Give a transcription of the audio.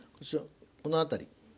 この辺り。